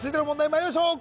まいりましょう